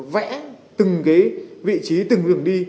vẽ từng vị trí từng đường đi